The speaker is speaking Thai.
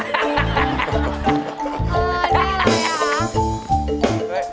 เฮ่ยเป็นอะไรล่ะครับ